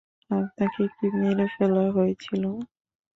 আপনাকে কি মেরে ফেলা হয়েছিল?